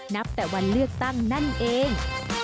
นับแต่วันเลือกตั้งนั่นเอง